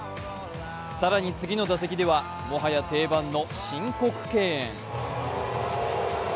更に次の打席では、もはや定番の申告敬遠。